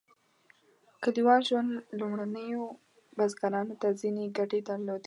کلیوال ژوند لومړنیو بزګرانو ته ځینې ګټې درلودې.